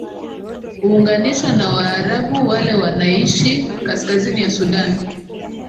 uunganishwa na waarabu wale wanaeishi kaskazini ya sudan